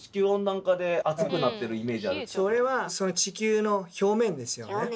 それは地球の表面ですよね。